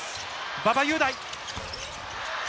馬場雄大。